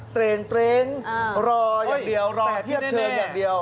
เตร้งรออย่างเดียวรอเทียบเชิญอย่างเดียว